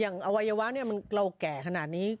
อย่างวัยวะนี่เราแก่ขนาดนี้